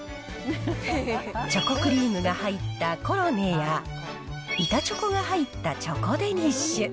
チョコクリームが入ったコロネや、板チョコが入ったチョコデニッシュ。